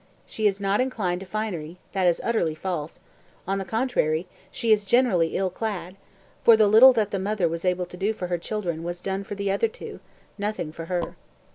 She is not inclined to finery, that is utterly false; on the contrary, she is generally ill clad, for the little that the mother was able to do for her children was done for the other two nothing for her.